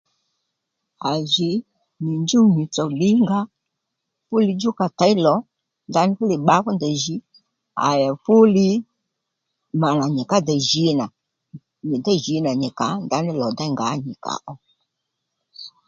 À jì nyi njúw nyì tsò ddǐngǎ fú li djú ka těy lò nda fúli bbǎ fú ndèy jì à le fúli mà nà nyì ká dey jǐ nà nyì déy jǐ nà nyì kàó ndaní lò déy ngǎ nyì kàó